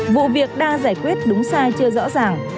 vụ việc đang giải quyết đúng sai chưa rõ ràng